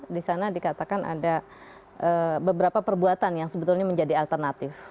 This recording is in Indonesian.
di sana dikatakan ada beberapa perbuatan yang sebetulnya menjadi alternatif